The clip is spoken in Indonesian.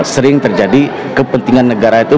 sering terjadi kepentingan negara itu